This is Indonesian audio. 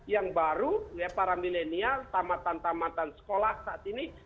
yang baru ya para milenial tamatan tamatan sekolah saat ini